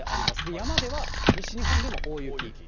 山では西日本でも大雪。